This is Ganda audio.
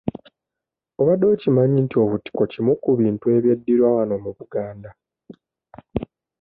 Obadde okimanyi nti obutiko kimu ku bintu ebyeddirwa wano mu Buganda?